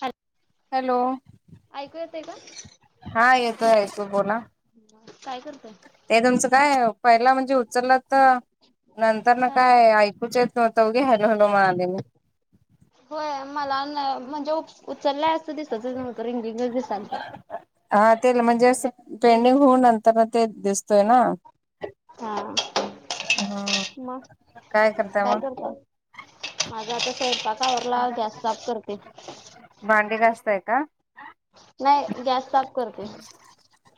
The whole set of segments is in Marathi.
हॅलो. [inaudible] हॅलो. ऐकू येते का? हा येतो येतो बोला. काय करताय? ते तुमचं काय पहिला म्हणजे उचललं तर नंतर ना काय ऐकूच येत नव्हतं उगीच हॅलो हॅलो म्हणाले मी. होय मला म्हणजे ना उचललाय असं दिसच नव्हतं रिंगिंगच दिसालता. हा ते म्हणजे अस पेंडिंग होऊ नंतर ते दिसतोय ना. हा हा मग काय करताय. माझा आता स्वयंपाक आवरला गॅस साफ करते. भांडी घासताय का? नाही गॅस साफ करते.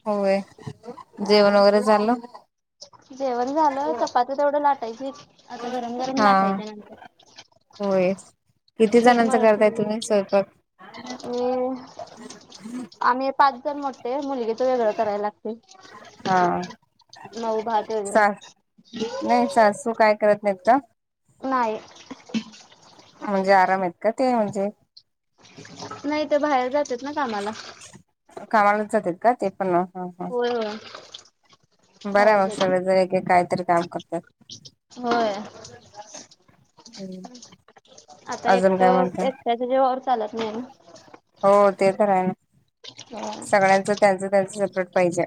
होय, हा जेवण वगैरे झालं? जेवण झालं चपाती तेवढं लाटायची आता गरम-गरम हा लाटायची. होय किती जणांचा करताय तुम्ही स्वयंपाक? अ आम्ही पाच जण मोठे मुलगीच वेगळं करायला लाग हा ते, मऊ भात वगैरे. तू काय करत देता. नाही. म्हणजे आराम आहेत का ते म्हणजे? नाही ते बाहेर जातात ना कामाला. कमाला जातात का ते पण मग? होय होय. [inaudible] बाहेर बरं मग गेली. सगळे जर एक-एक काहीतरी काम करतात. होय. हम्म. [inaudible] आता अजून एकट काय म्हणता? एकट्याच्या जिवावर चालत नाही ना. हो ते तर आहे न, ना. सगळ्यांचं त्यांचं-त्यांचं सेपरेट पाहिजे.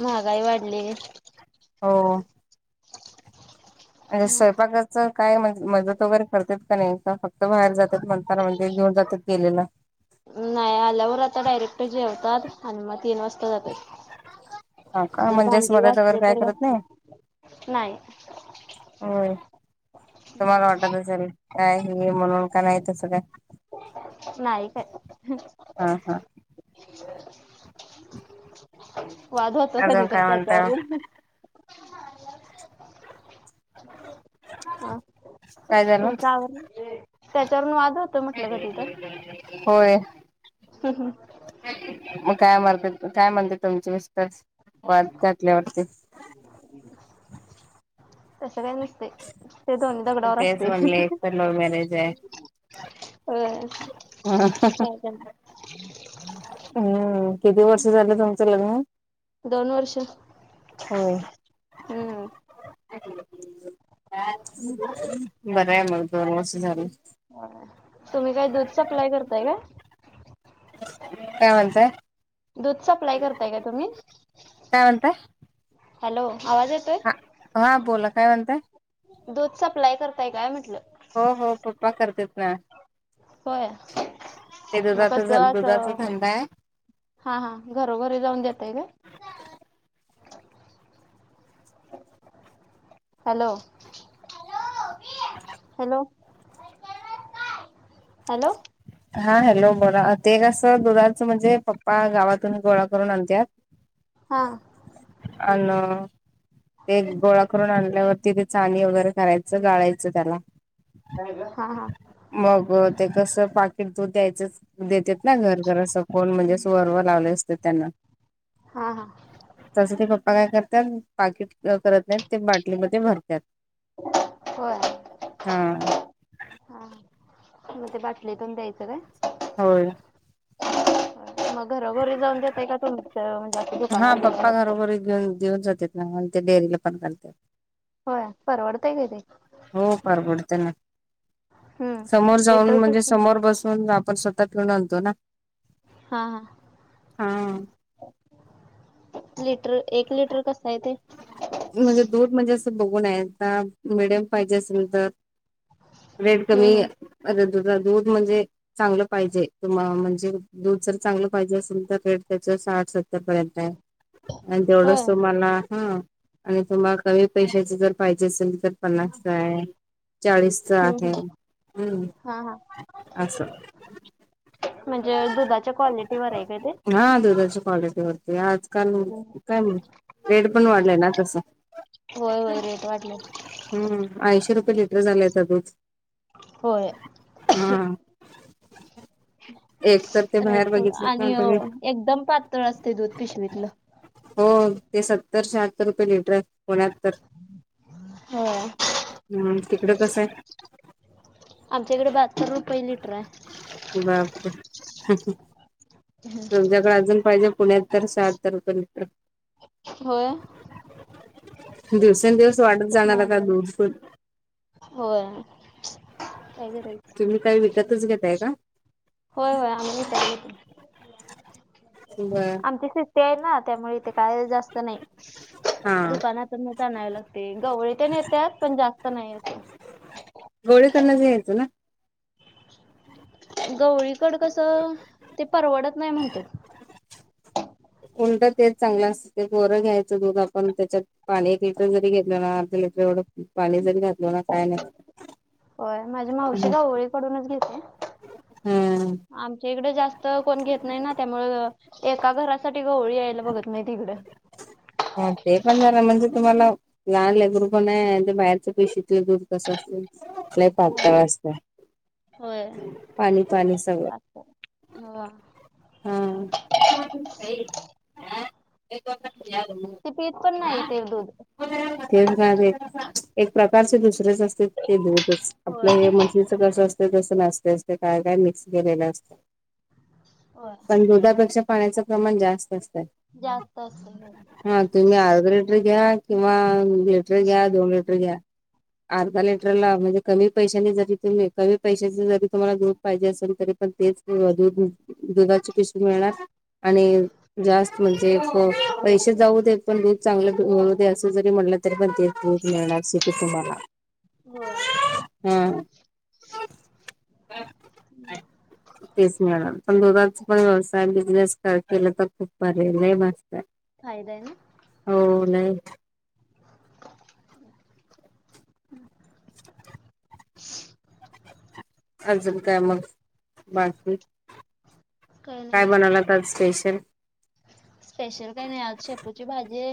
महागाई वाढली. हो हो म्हणजे स्वयंपाकाचं काय म्हज मदत वगैरे करते का नाही. का फक्त बाहेर म्हणताना म्हणजे जातात गेलेला [inaudible] नाही आल्यावर आता डायरेक्ट जेवतात आणि मग तीन वाजता, हा का जर म्हणजेच भाडी मदत वगैरे घासली काय तर करत नाही घासली, नाही. होय तुम्हाला वाटत असेल. का ही म्हणून का नाही तसं काय. नाही तसं काय हा हा ह [inaudible] वाद होतो कधी अजून तर काय म्हणताय मग त्याच्यावरून, हा काय झालं त्याच्यावरून वाद होतो म्हटलं कधी तर. होय. हम्म हम्म मग काय म्हणते काय म्हणते तुमचे मिस्टर्स वाद घातल्यावरती, तसं काय नसतंय ते ते दोन्ही दगडावर तेच असते. म्हणले एक तर लव्ह मॅरेज आहे. होय चालतंय हम्म किती वर्ष झालं तुमचं लग्न होऊन? दोन वर्ष. होय. हम्म बरं आहे मग दोन वर्ष झाली. तुम्ही काय दूध सप्लाय करताय का? काय म्हणताय? दूध सप्लाय करताय का तुम्ही? काय हॅलो आवाज येतोय. ह हा बोला काय म्हणताय. दूध सप्लाय करताय काय म्हटलं. हो हो पप्पा करतेेत ना, हो ते मग स दुधाचा दुधाचा असं धंदा आहे. हा हा घरोघरी जाऊन देताई का? हॅलो! हॅलो! हॅलो! हा हॅलो बोला ते कसं दुधाचं म्हणजे पप्पा गावातून गोळा करून आणतात. हा अन एक गोळा करून आणल्यावरती चाळणी वगैरे करायचं गाळायचं त्याला, हा हा मग ते कस पाकीट दूध द्यायचंच. देतेत ना घरघर असं कोण म्हणजेच वरवर लावले असते त्यांना. हा तसं ते पप्पा काय करतात पाकिट करत नाहीत ते बाटलीमध्ये भरतात. होय. हा हा मग ते बाटलीतून द्यायचं काय? होय. म घरोघरी जाऊन देतायं का, तुमच म्हणजे दुकान वगैरे आहे? [unintelligible] बरोबर घेऊन देऊन जाते. हा अन् ते डेअरीला पण करत्यात. हो, परवडतयं काय ते? हो परवडतं ना, हम्म समोर जाऊन लिटर म्हणजे कसं? समोर बसून आपण स बनवतो ना. हा- हा, हा एक लिट, एक लिटर कसं आहे ते? म्हणजे दूध म्हणजे असं भघूना येतात मिडियम पाहिजे असेल तर रेट कमी हम्म हम्म अ दुध अं दूध म्हणजे चांगलं पाहिजे, तुमाला म्हणजे दूध जर चांगलं पाहिजे असेल तर रेट त्याचे साठ- सत्तर रुपयांपर्यंत आणि होय तेवढंच तुम्हाला हा आणि तुम्हाला कमी पैशाचे जर पाहिजे असेल तर, पन्नास ला आहे, चाळीस च हम्म आहे, हम्म हा हा. असं म्हणजे दुधाच्या क्वालिटीवर आहे काय ते? हा दुधाची क्वालिटी वरती आज [unintelligible] रेट पण वाढलंय ना तसा. होय होय रेट वाढले. हम्म-हम् ऐंशी रुपये लिटर झालेयं आता दूध. होय, हा एक तर ते रेट बाहेर पण बघितलेत ना आणि तुम्ही अं एकदम पातळं असते दूध पिशवीतलं. हो ते सत्तर शहात्तर रुपये लिटर पुण्यात तर, होय हा तिकडं कस आहे? आमच्याकडे बाहत्तर रुपये लिटर आहे. बापरे, तुमच्याकडे अजून पाहिजे, पुण्यात तर शहात्तर रुपये लिटर हो, दिवसें-दिवस वाढत स्वपमा जाणार आता व दूध पण हो काय बराच [unintelligible] तुम्ही काय विकतच घेताय का? होय- होय, आम्ही विकतच आणतो, बर आमचे तिच ते आहे ना त्यामुळे इथे ते काय जास्त नाही. हा दुकानातूनच आणावे लागते, गवळी तेन येतात पण जास्त नाही येत. गवळीकडनचं घ्यायचा ना. गवळीकडं कसं ते परवडत नाही म्हणत्यात. उलटं तेच चांगलं असते गोरं घ्यायचं दूध आपण त्याच्यात पाणी एक लिटर जरी घेतलं ना अर्ध लिटर एवढं पाणी जरी घातलं ना काय नाही होत. होय, माझी मावशी गवळीकडूनच घेती. हं, आमच्या इकडे जास्त कोण घेत नाही ना, त्यामुळ एका घरासाठी गवळी यायला बघत नाहीत इकड. चालते पण जरा म्हणजे तुम्हाला लहान लेकरू पण आहे, अन् ते बाहेरच पिशवीतल दूध कसं असत? लेय होय पातळं असते. होय. पाणी -पाणी सगळं. असं हो हा, ते पीत पण नाही ते दूध तेच ना ते एक प्रकारचे दुसरेच असते ते दूधच आपलं हे होय म्हशीच कसं असतय तसं नसते. ते काय काय मिक्स केलेलं असत. [inaudible] पण दुधापेक्षा पाण्याचं प्रमाण जास्त असतं. जास्त हा तुम्ही अर्ध असत. लिटर घ्या किंवा लिटर घ्या दोन लिटर घ्या अर्धा लिटरला म्हणजे कमी पैशानी जरी तुम्ही कमी पैशाच जरी तुम्हाला दूध पाहिजे असेल तरी पण तेच दूध दुधाची पिशवी मिळणार आणि जास्त म्हणजे पैसे जाऊदेत. पण दूध चांगलंपैकी मिळू दे असं जरी म्हटलं तरी पण तेच दूध मिळणार सिटीत तुम्हाला होय. हा [inaudible] तेच ना पण दुधाच पण व्यवसाय बिजनेस केलं तर खूप भारी लय मस्त आहे. फायदा आहे ना हो लई [inaudible] [inaudible] अजून काय मग बाकी काही काय नाही बनवलात आज स्पेशल स्पेशल काही नाही आज शेपूची भाजी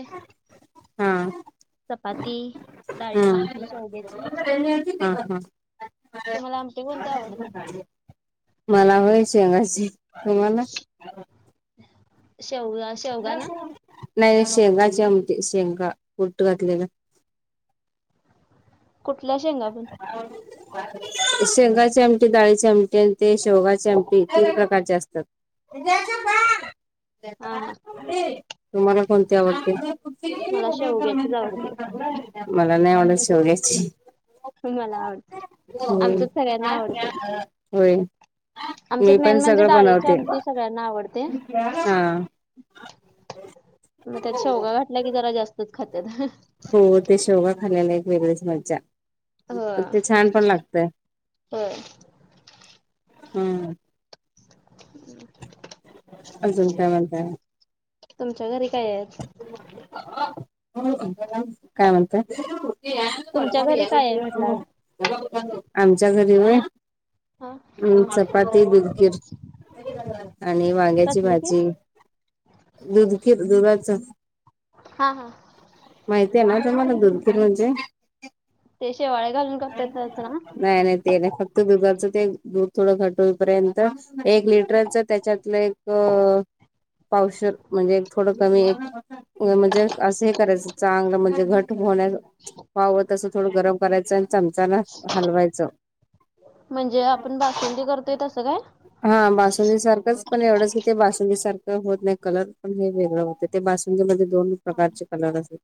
हा चपाती डाळीची आमटी हम्म शेवग्याची हा हा तुम्हाला आमटी कोणती आवडते? मला व्हय शेंगाची तुम्हाला शेवगा शेवगा ना नाही नाही शेंगाची आमटी शेंगा कुट्ट घातलेली. कुठल्या शेंगा पण? शेंगाची आमटी दाळीची आमटी ते शेवगाची आमटी तीन प्रकारचे असतात. हा हा तुम्हाला कोणती आवडते? मला शेवग्याचीच आवडते मला नाही आवडत शेवग्याची मला आवडते आमच्यात सगळ्यांना आवडते. होय मी आमच्यात मेन पण म्हणजे सगळं डाळीची बनवते आमटी सगळ्यांना आवडते. हा मग त्यात शेवगा घातल्या की जरा जास्तच खात्यात. हो ते शेवगा खालेल्ला एक वेगळीच मज्जा. हो ते छान पण लागतय होय हम हम्म [inaudible] अजंत काय म्हनता. तुमच्या घरी काय आहेत काय म्हनता? तेर तुमच्या म घरी काय आहे या म्हटलं आज? म [inaudible] आमच्या घरी होय, हा चपाती [unintelligible] आणि वांग्याची कसली ती? भाजी दुध क दुधात, हा हा माहिती आहे ना तुम्हाला दुधखीर म्हणजे, ते शेवाळे घालून करताात त्याच ना, नाही नाही ते नाही फक्त दुधाचं ते दूध थोडं घट होईपर्यंत एक लिटरच त्याच्यातलं एक पावशेर म्हणजे थोडं कमी एक म्हणजे असं हे करायच चांगलं म्हणजे घट उ होण्या पाव तसं थोडं गरम करायचं आणि चमचाना हलवायचं. म्हणजे आपण बासुदी करतोय तसं काय? हा बासुंडी सारखंच पण एवढंच की ते बासुडीसारखं होत नाही कलर पण हे वेगळं होत ते बासुंगी मध्ये दोन प्रकारचे कलर असत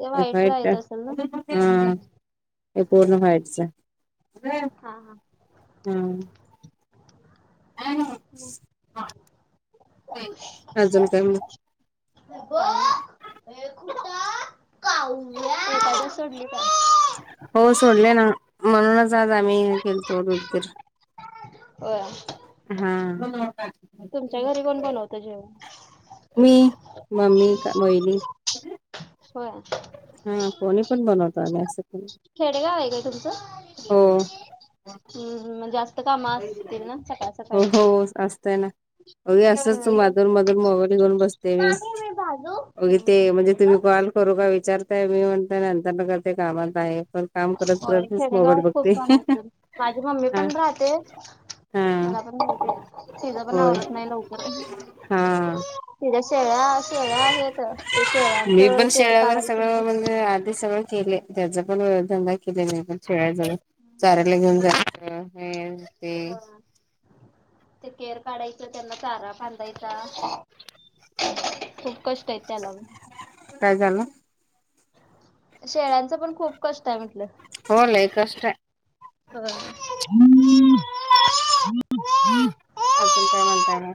ते एक व्हाईट वाईट राईत असेल ना? हा हे पूर्ण वयटच हा हा. हम अजून काय हे खुट सोडली का [inaudible] हो सोडले ना म्हणूनच आज आम्ही हे केलतो उदगीर हो हा तुमच्या घरी कोण बनवत जेवण मी मम्मी वहिनी होय हा कोणी पण बनवतो आम्ही असं काय नाही. खेडेगाव आहे काय तुमचं? हम्म म्हणनुच हो हो असतय ना. बघुया असंच हम्म. माधर मधुन मोबाईल घेऊन बसते मामी मी भाजू? मी ते हम्म म्हणजे तुम्ही कॉल करू का विचारताय मी म्हणत नंतर नगर ते कामात आहे. पण काम करत होय करतच मोबाईल खेडेगावात खूप बघते काम असत माझी मम्मी हा पण राहते. हा मला पण माहिती, तिचा पण होय आवरत नाही लवकर पण, हा तिच्या शेळ्या, शेळ्या आहेत ते मी शेळ्यांचं पण केर शेळ्या वगैरे काढाय लागतंय सगळं नी. म्हणजे आधी सगळं केले त्याचा पण वधंदा केले नाही पण छळ्या जाऊ चचाऱ्याला घेऊन जा [inaudible] हम्म हम्म हो ते केर काढायचं त्यांना चारा बांधायचा. खूप कष्ट आहेत त्याला, काय झाला. शेळ्यांचं पण खूप कष्ट आहे म्हटलं. होय लय कष्ट हाय. होय. अजून काय म्हणताय मग.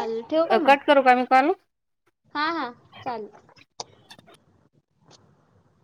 हल [unintelligible] अनं कट करू का मी काॅल. हा हा चालेल.